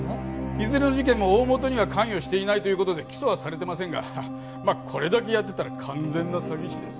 いずれの事件も大元には関与していないという事で起訴はされてませんがまあこれだけやってたら完全な詐欺師ですよ。